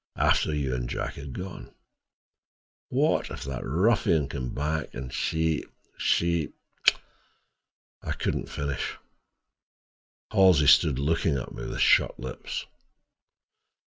After you—and Jack had gone, what if that ruffian came back, and she—and she—" I couldn't finish. Halsey stood looking at me with shut lips.